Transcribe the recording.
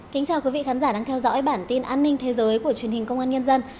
kính chào quý vị khán giả đang theo dõi bản tin an ninh thế giới của truyền hình công an nhân dân